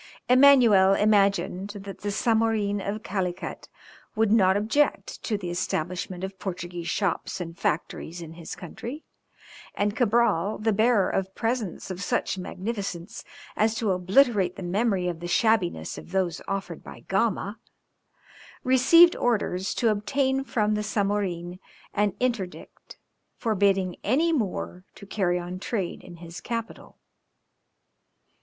Emmanuel imagined that the Zamorin of Calicut would not object to the establishment of Portuguese shops and factories in his country, and Cabral, the bearer of presents of such magnificence as to obliterate the memory of the shabbiness of those offered by Gama, received orders to obtain from the Zamorin an interdict, forbidding any Moor to carry on trade in his capital.